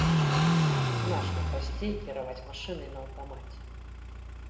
Значна прасцей кіраваць машынай на аўтамаце.